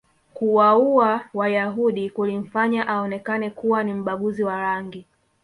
kuwauwa wayahudi kulimfanya aonekane kuwa ni mbaguzi wa rangi